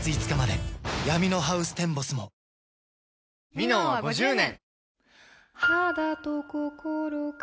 「ミノン」は５０年！